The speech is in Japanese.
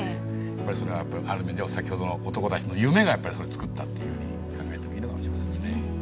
やっぱりそれはやっぱりある面では先ほどの男たちの夢がそれつくったっていうふうに考えてもいいのかもしれませんですね。